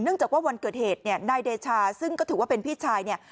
จากว่าวันเกิดเหตุเนี่ยนายเดชาซึ่งก็ถือว่าเป็นพี่ชายเนี่ย